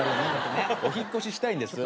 お引っ越ししたいんです。